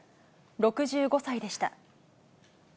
６５歳でした。